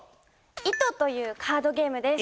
「ｉｔｏ」というカードゲームです